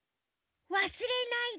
「わすれないでね。